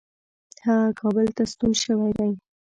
هغه کابل ته ستون شوی دی.